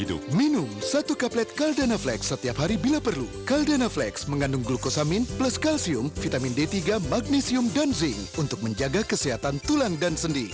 untuk menjaga kesehatan tulang dan sendi